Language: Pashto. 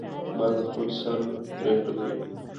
باز د خپل سر پریکړه کوي